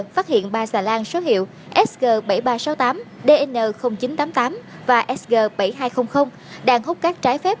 phát hiện ba xà lan số hiệu sg bảy nghìn ba trăm sáu mươi tám dn chín trăm tám mươi tám và sg bảy nghìn hai trăm linh đang hút cát trái phép